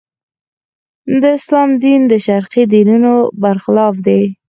د اسلام دین د شرقي دینونو برخلاف دی.